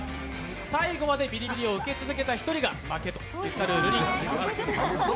最後までビリビリを受け続けた１人が負けといったルールです。